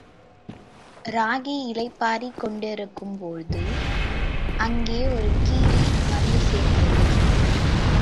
ராகி இளைப்பாறிக் கொண்டிருக்கும் போது அங்கே ஒரு கீரி வந்துசேர்ந்தது.